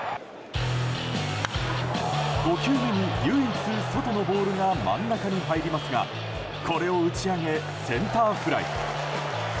５球目に唯一、外のボールが真ん中に入りますがこれを打ち上げセンターフライ。